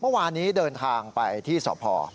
เมื่อวานนี้เดินทางไปที่สพ